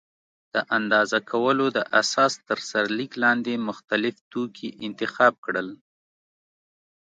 د اندازه کولو د اساس تر سرلیک لاندې مختلف توکي انتخاب کړل.